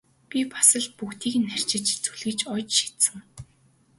Би бас л бүгдийг арчиж зүлгэж оёж шидсэн!